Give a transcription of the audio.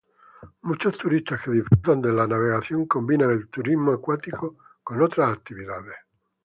Muchos turistas que disfrutan de la navegación combinan el turismo acuático con otras actividades.